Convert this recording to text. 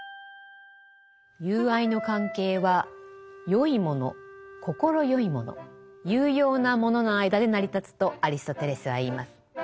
友愛の関係は善いもの快いもの有用なものの間で成り立つとアリストテレスは言います。